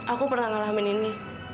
aku pernah ngelamin ini